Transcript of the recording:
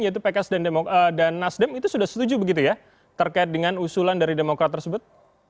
yaitu pks dan nasdem itu sudah setuju begitu ya terkait dengan usulan dari demokrat tersebut